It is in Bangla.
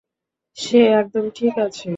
সে একদম ঠিক আছে।